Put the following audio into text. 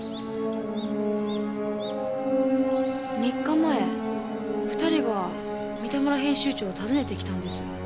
３日前２人が三田村編集長を訪ねてきたんです。